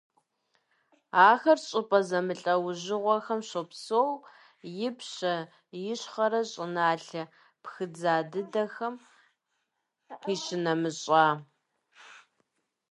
Ахэр щӀыпӀэ зэмылӀэужьыгъуэхэм щопсэу, ипщэ, ищхъэрэ щӀыналъэ пхыдза дыдэхэм къищынэмыщӀа.